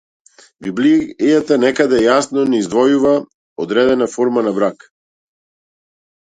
Библијата никаде јасно не издвојува одредена форма на брак.